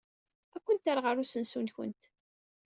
Ad kent-rreɣ ɣer usensu-nwent.